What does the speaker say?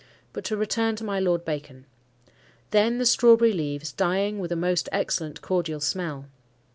But to return to my Lord Bacon: 'Then the strawberry leaves, dying with a most excellent cordial smell.